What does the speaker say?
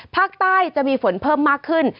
ภาคใต้จะมีฝนเพิ่มมากขึ้น